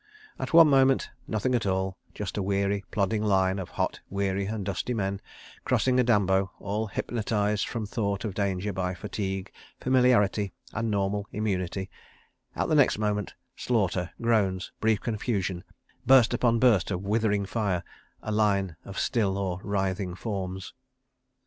At one moment, nothing at all—just a weary, plodding line of hot, weary and dusty men, crossing a dambo, all hypnotised from thought of danger by fatigue, familiarity and normal immunity; at the next moment, slaughter, groans, brief confusion, burst upon burst of withering fire, a line of still or writhing forms.